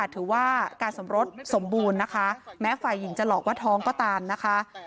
ถือว่าการสมรสสมบูรณ์นะคะแม้ฝ่ายหญิงจะหลอกว่าท้องก็ตามนะคะ